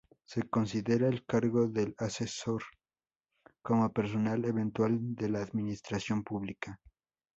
Se considera el cargo del asesor como personal eventual de la administración pública.